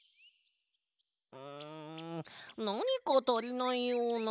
うんなにかたりないような。